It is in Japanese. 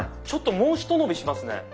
ちょっともうひと伸びしますね。